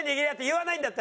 言わない！